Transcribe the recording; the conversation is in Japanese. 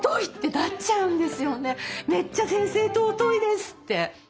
もうめっちゃ先生尊いですって。